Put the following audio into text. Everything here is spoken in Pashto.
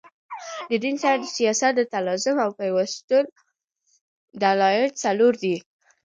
د دین سره د سیاست د تلازم او پیوستون دلایل څلور دي.